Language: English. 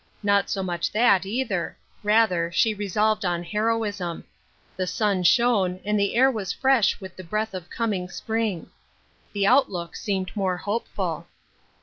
Not so much that, either ; rather, she resolved on heroism. The sun shone, and the air was fresh with the breath of coming spring. The outlook seemed more hopeful.